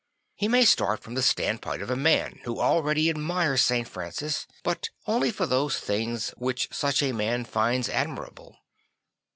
He may start from the standpoint of a man who already admires St. Francis, but only for those things which such a man finds admirable.